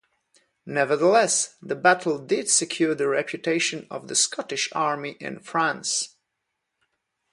Nevertheless, the battle did secure the reputation of the Scottish army in France.